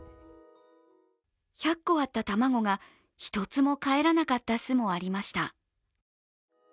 １００個あった卵が１つもかえらなかった巣もありました。